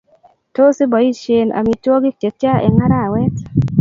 Tos, iboishen amitwogik chetya eng arawet?